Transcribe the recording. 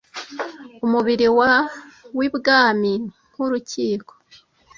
umubiri wa wibwami nkurukiko